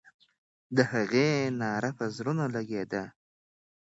د هغې ناره پر زړونو لګېدله.